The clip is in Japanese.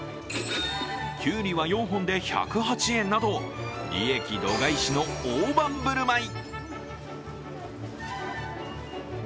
きゅうりは４本で１０８円など、利益度外視の大盤振る舞い。